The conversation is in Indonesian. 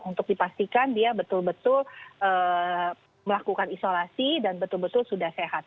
untuk dipastikan dia betul betul melakukan isolasi dan betul betul sudah sehat